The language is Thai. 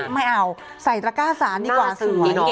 ไม่เอาใส่ตระก้าสารดีกว่าสวย